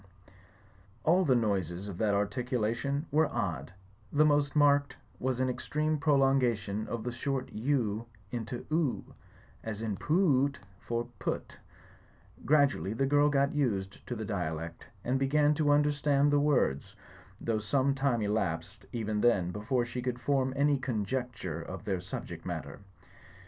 A SERMON ON INNS 13 All the noises of that articulation were odd; the most marked was an extreme prolongation of the short V into "00''; as in poo oot" for put'* GraduaUy the girl got used to the dialect, and began to imder stand the words; though some time elapsed even then before she could form any conjecture of their subject matter.